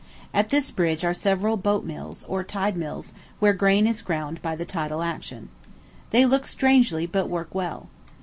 At this bridge are several boat mills, or tide mills, where grain is ground by the tidal action. They look strangely, but work well.